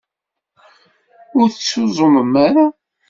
Ur tettuẓumem ara.